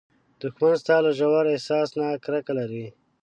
دښمن ستا له ژور احساس نه کرکه لري